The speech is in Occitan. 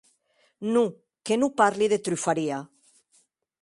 Non, que non parli de trufaria.